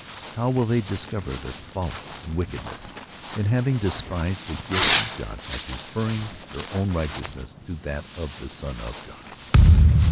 Hoi will they discover their folly and wickedness \m^ having despised the gift of God by preferring theic i — own righteousness to that of the Son of God.